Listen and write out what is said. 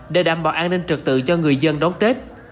để đảm bảo an ninh trực tự cho người dân đón tết